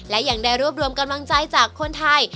และยังได้รวบรวมกำลังใจจากคนไทย